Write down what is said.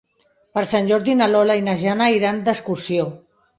Per Sant Jordi na Lola i na Jana iran d'excursió.